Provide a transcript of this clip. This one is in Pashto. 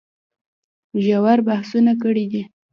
ژور بحثونه کړي دي